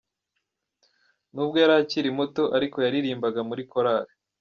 Nubwo yari akiri muto ariko yaririmbaga muri korali.